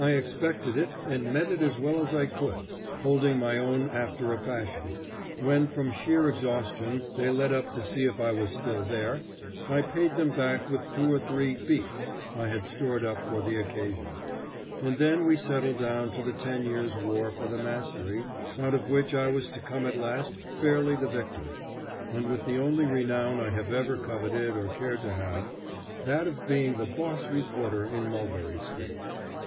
I expected it and met it as well as I could, holding my own after a fashion. When, from sheer exhaustion, they let up to see if I was still there, I paid them back with two or three "beats" I had stored up for the occasion. And then we settled down to the ten years' war for the mastery, out of which I was to come at last fairly the victor, and with the only renown I have ever coveted or cared to have, that of being the "boss reporter" in Mulberry Street.